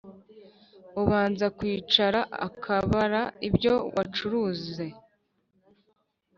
ubanza kwicara akabara ibyo wacuruze